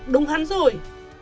đúng hắn rồi